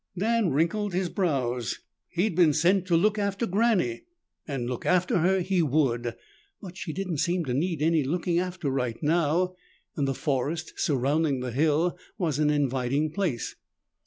Dan wrinkled his brows. He had been sent to look after Granny, and look after her he would. But she didn't seem to need any looking after right now and the forest surrounding the hill was an inviting place.